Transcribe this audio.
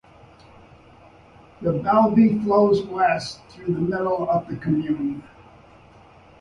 The Veyle flows west through the middle of the commune.